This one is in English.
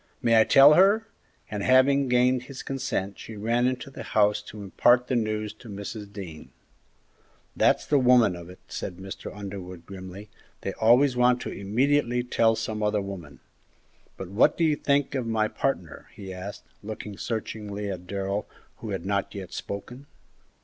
May I tell her?" And, having gained his consent, she ran into the house to impart the news to Mrs. Dean. "That's the woman of it!" said Mr. Underwood, grimly; "they always want to immediately tell some other woman! But what do you think of my partner?" he asked, looking searchingly at Darrell, who had not yet spoken.